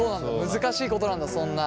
難しいことなんだそんな。